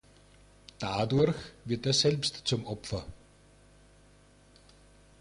Dadurch wird er selbst zum Opfer.